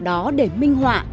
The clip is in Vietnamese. để có thể minh họa